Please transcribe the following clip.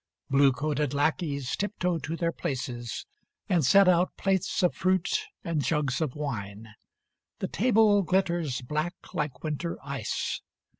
Blue coated lackeys tiptoe to their places, And set out plates of fruit and jugs of wine. The table glitters black like Winter ice.